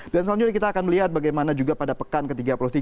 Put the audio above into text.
dan selanjutnya kita akan melihat bagaimana juga pada pekan ke tiga puluh tiga